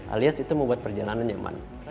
alias itu membuat perjalanan nyaman